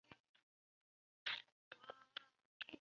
据雷提卡斯进行的。